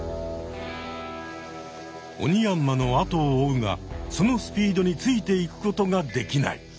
オニヤンマのあとを追うがそのスピードについていくことができない。